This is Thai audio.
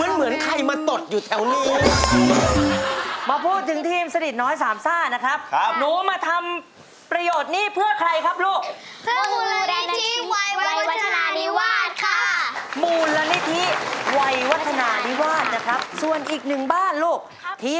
เหมือนใครมาตดอยู่แถวนี้